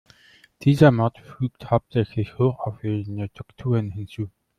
Diese Mod fügt hauptsächlich hochauflösende Texturen hinzu.